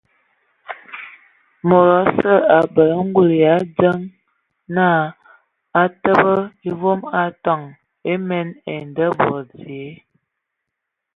Mod osə abələ ngul yʼadzəŋ na utəbə mvɔa atoŋ emien ai ndabod dzie.